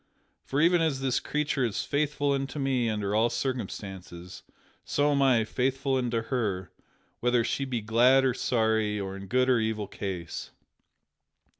For even as this creature is faithful unto me under all circumstances, so am I faithful unto her whether she be glad or sorry, or in good or evil case.